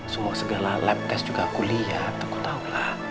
semua segala lab test juga aku lihat aku tau lah